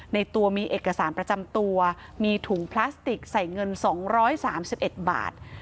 ในตัวมีเอกสารประจำตัวมีถุงพลาสติกใส่เงิน๒๓๑บาท